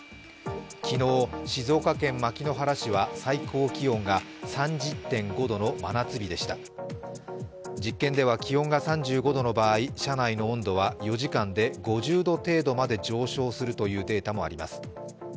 昨日、静岡県牧之原市は最高気温が３０．５度の真夏日でした実験では気温が３５度の場合、車内の温度は４時間で５０度程度まで上昇するというデータもあります。